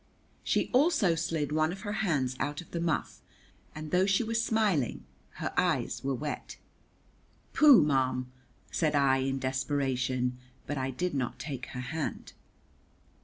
She also slid one of her hands out of the muff, and though she was smiling her eyes were wet. "Pooh, ma'am," said I in desperation, but I did not take her hand.